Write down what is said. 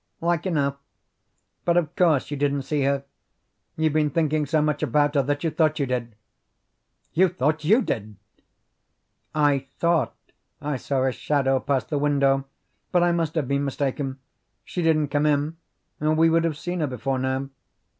"Like enough; but of course you didn't see her. You've been thinking so much about her that you thought you did." "You thought YOU did." "I thought I saw a shadow pass the window, but I must have been mistaken. She didn't come in, or we would have seen her before now.